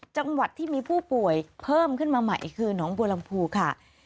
จังหวัดที่มีผู้ป่วยเพิ่มขึ้นมาใหม่คือน้องบัวลำพูค่ะ